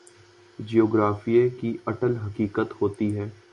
جغرافیے کی اٹل حقیقت ہوتی ہے۔